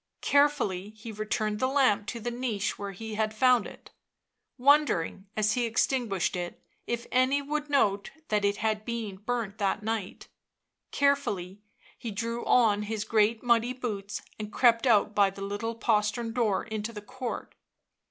Carefully he returned the lamp to the niche where he had found it; wondering, as he extinguished it, if any would note that it had been burnt that night; carefully he drew on his great muddy boots and crept out by the little postern door into the court.